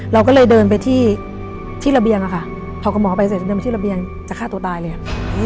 เราก็เลยเดินไปที่ระเบียงอะค่ะพอกับหมอไปเสร็จจะเดินไปที่ระเบียงจะฆ่าตัวตายเลย